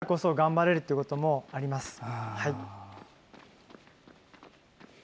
大会だからこそ頑張れるということもあります。